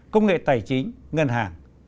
công nghệ tài chính ngân hàng